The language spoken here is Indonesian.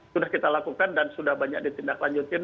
sudah kita lakukan dan sudah banyak ditindaklanjutin